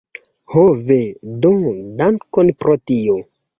Ho ve, do dankon pro tio.